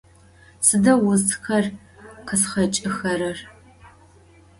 Sıda vuzxer khızxeç'ıxerer?